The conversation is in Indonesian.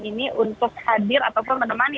ini untuk hadir ataupun menemani